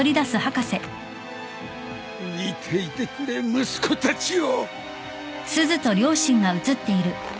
見ていてくれ息子たちよ。